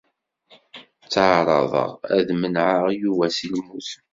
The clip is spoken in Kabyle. Ttɛaraḍeɣ ad d-menɛeɣ Yuba si lmut.